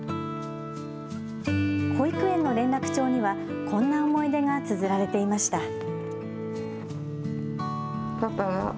保育園の連絡帳にはこんな思い出がつづられていました。